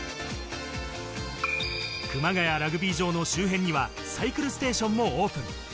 熊谷ラグビー場の周辺にはサイクルステーションもオープン。